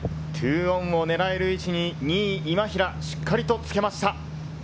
２オンを狙える位置に今平、しっかりつけました。